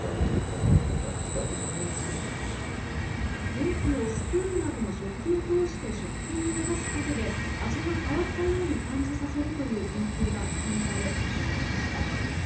電気をスプーンなどの食器を通して食品に流すことで味が変わったように感じさせるという研究が認められ受賞しました。